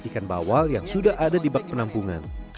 ikan bawal yang sudah ada di bak penampungan